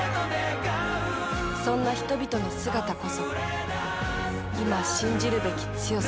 そんな人々の姿こそ今信じるべき強さだ。